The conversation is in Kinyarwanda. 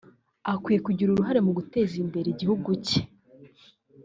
akwiye kugira uruhare mu guteza imbere igihugu cye